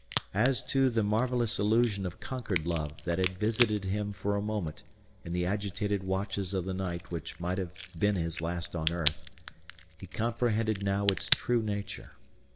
As to the marvellous illusion of conquered love that had visited him for a moment in the agitated watches of the night which might have been his last on earth, he comprehended now its true nature.